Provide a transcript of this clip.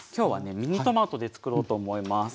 ミニトマトでつくろうと思います。